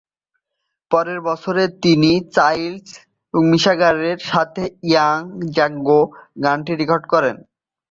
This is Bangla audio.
পরের বছর তিনি চার্লস মিঙ্গাসের সাথে "ইয়ং জ্যাঙ্গো" গানটি রেকর্ড করেন।